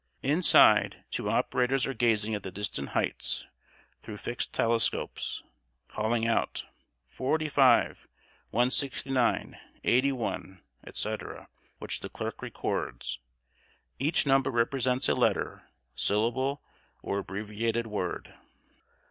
Inside, two operators are gazing at the distant hights, through fixed telescopes, calling out, "45," "169," "81," etc., which the clerk records. Each number represents a letter, syllable, or abbreviated word.